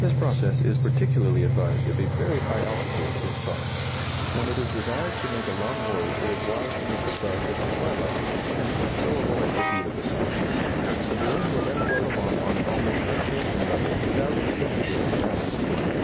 This process is particularly advised if a very high altitude is sought. When it is desired to make a long voyage it is wise to make the start at twilight, and so avoid the heat of the sun. The balloon will then float along on an almost unchanging level without expenditure of ballast.